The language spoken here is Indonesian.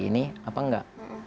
ini apa enggak